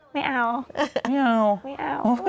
ไม่เอา